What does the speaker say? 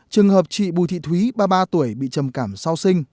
trường hợp chị bùi thị thúy ba mươi ba tuổi bị trầm cảm sau sinh